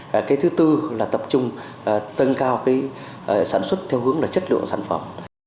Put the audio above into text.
cái thứ tư là tập trung tâng cao sản xuất theo hướng là chất lượng sản phẩm